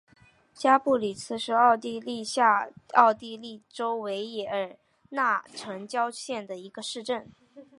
加布里茨是奥地利下奥地利州维也纳城郊县的一个市镇。